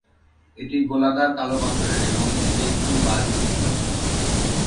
এটি গোলাকার কালো পাথরের এবং এটি একটু বাঁ দিকে হেলানো।